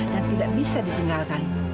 yang tidak bisa ditinggalkan